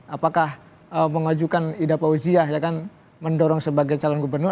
apakah mengajukan idha pauziah ya kan mendorong sebagai calon gubernator